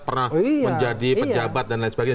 pernah menjadi pejabat dan lain sebagainya